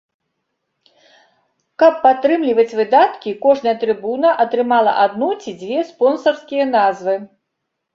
Каб падтрымліваць выдаткі, кожная трыбуна атрымала адну ці дзве спонсарскія назвы.